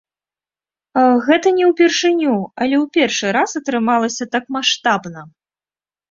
Гэта не ўпершыню, але ў першы раз атрымалася так маштабна.